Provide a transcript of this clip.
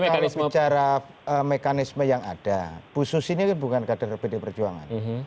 kalau bicara mekanisme yang ada pususi ini bukan kader pdip perjuangan